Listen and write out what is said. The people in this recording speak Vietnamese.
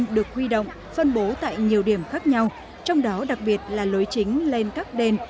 được huy động phân bố tại nhiều điểm khác nhau trong đó đặc biệt là lối chính lên các đền